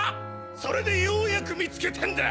それでようやく見つけたんだ。